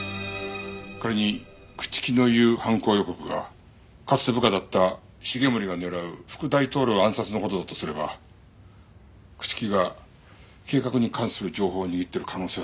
仮に朽木の言う犯行予告がかつて部下だった繁森が狙う副大統領暗殺の事だとすれば朽木が計画に関する情報を握っている可能性は高い。